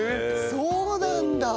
そうなんだ！